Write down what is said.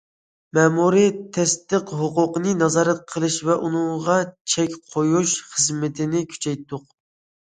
مەمۇرىي تەستىق ھوقۇقىنى نازارەت قىلىش ۋە ئۇنىڭغا چەك قويۇش خىزمىتىنى كۈچەيتتۇق.